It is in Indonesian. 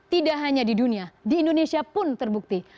tidak hanya di dunia di indonesia pun terbukti